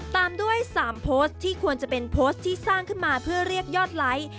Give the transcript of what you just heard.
ตามด้วย๓โพสต์ที่ควรจะเป็นโพสต์ที่สร้างขึ้นมาเพื่อเรียกยอดไลค์